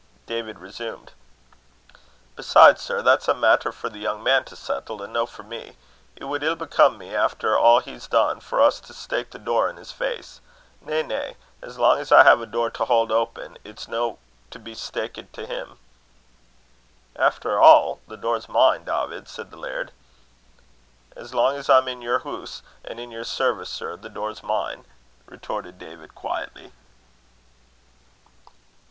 David resumed: "Besides, sir, that's a maitter for the young man to sattle, an' no for me. It wad ill become me, efter a' he's dune for us, to steek the door in's face. Na, na; as lang's I hae a door to haud open, it's no to be steekit to him." "Efter a', the door's mine, Dawvid," said the laird. "As lang's I'm in your hoose an' in your service, sir, the door's mine," retorted David, quietly.